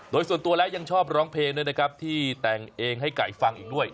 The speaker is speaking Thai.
โดยส่วนตัวแล้วยังชอบร้องเพลงด้วยนะครับที่แต่งเองให้ไก่ฟังอีกด้วย